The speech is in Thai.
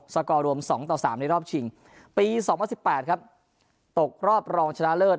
สกอรวมสองต่อสามในรอบชิงปีสองพันสิบแปดครับตกรอบรองชนะเลิศ